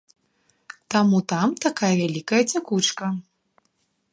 Таму там такая вялікая цякучка.